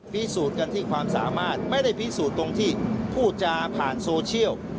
พิสูจน์กันที่ความสามารถไม่ได้พิสูจน์ตรงที่พูดจาผ่านโซเชียล